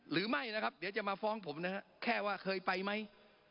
หรือไม่นะครับเดี๋ยวจะมาฟ้องผมนะฮะแค่ว่าเคยไปไหม